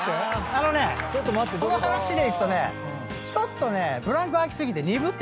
あのねこの話でいくとねちょっとねブランク空き過ぎて鈍ってると思う。